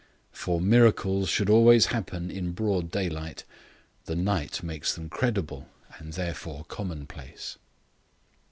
For miracles should always happen in broad daylight. The night makes them credible and therefore commonplace.